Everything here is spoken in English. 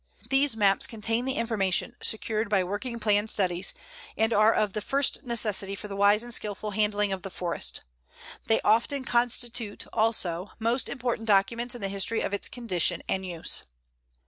These maps contain the information secured by working plan studies, and are of the first necessity for the wise and skilful handling of the forest. They often constitute, also, most important documents in the history of its condition and use.